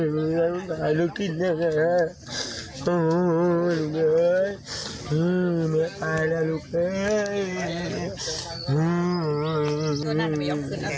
ไม่อายแล้วลูกเนี้ยลูกเนี้ยไม่อายแล้วลูกเนี้ย